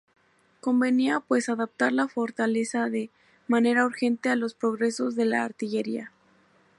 Convenía pues adaptar la fortaleza de manera urgente a los progresos de la artillería.